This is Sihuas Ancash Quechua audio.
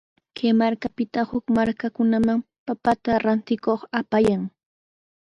Kay markapita huk markakunaman papata rantikuq apayan.